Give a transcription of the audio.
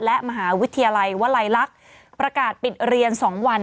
และมหาวิทยาลัยวลัยลักษณ์ประกาศปิดเรียน๒วัน